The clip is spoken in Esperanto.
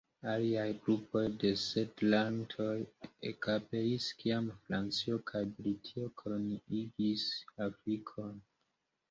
Aliaj grupoj de setlantoj ekaperis kiam Francio kaj Britio koloniigis Afrikon.